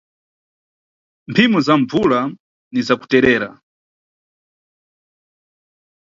Mphimo za mbvula ni zakuterera.